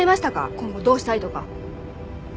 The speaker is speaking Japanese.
今後どうしたいとか。